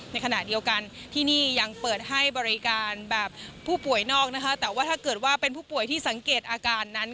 ในขณะเดียวกันที่นี่ยังเปิดให้บริการแบบผู้ป่วยนอกนะคะแต่ว่าถ้าเกิดว่าเป็นผู้ป่วยที่สังเกตอาการนั้น